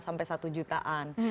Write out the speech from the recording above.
sampai satu jutaan